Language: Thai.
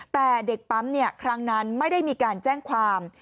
แต่เด็กปั๊มครั้งนั้นไม่ได้มีการแจ้งความ